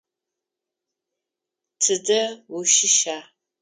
Тыдэ ущыща?